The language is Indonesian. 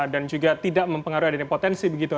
dan juga tidak mempengaruhi adanya potensi begitu